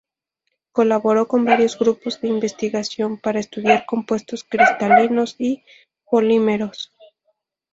Colaboró con varios grupos de investigación para estudiar compuestos cristalinos y polímeros.